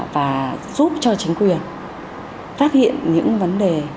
và giúp cho chính quyền phát hiện những vấn đề